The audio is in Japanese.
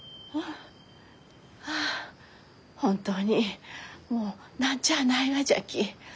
はあ本当にもう何ちゃあないがじゃき。